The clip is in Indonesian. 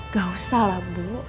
gak usah lah bu